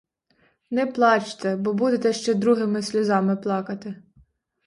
Не плачте, бо будете ще другими сльозами плакати.